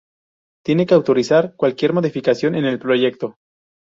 Tiene que autorizar cualquier modificación en el proyecto.